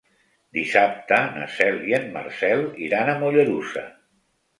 Dissabte na Cel i en Marcel iran a Mollerussa.